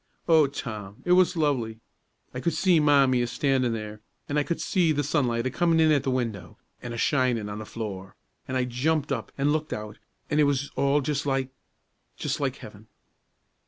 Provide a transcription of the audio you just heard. O Tom, it was lovely! I could see Mommie a stannin' there, an' I could see the sunlight a comin' in at the window, an' a shinin' on the floor; an' I jumped up an' looked out, an' it was all just like just like heaven."